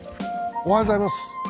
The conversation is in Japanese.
おはようございます。